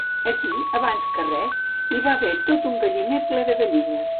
Aquí, abans que res, hi va haver tot un galliner ple de gallines.